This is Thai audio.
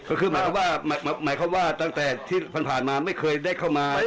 ก็คือหมายความว่าหมายความว่าตั้งแต่ที่ผ่านมาไม่เคยได้เข้ามา